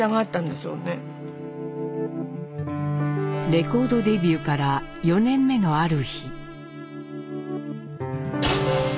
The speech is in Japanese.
レコードデビューから４年目のある日。